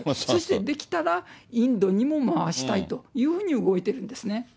そしてできたらインドにも回したいというふうに動いてるんですね。